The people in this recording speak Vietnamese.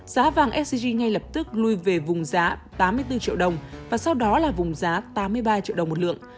giá vàng sgg ngay lập tức lui về vùng giá tám mươi bốn triệu đồng và sau đó là vùng giá tám mươi ba triệu đồng một lượng